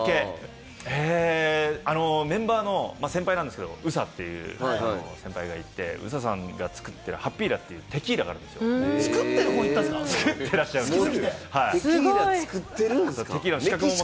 メンバーの先輩なんですけれども、ＵＳＡという先輩がいて、ＵＳＡさんが作ってるハッピーラーっていう、テキーラがあるんですよ、作ってらっしゃるんですよ。